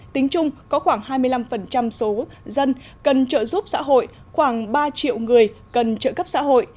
tính chung có khoảng hai mươi năm số dân cần trợ giúp xã hội khoảng ba triệu người cần trợ cấp xã hội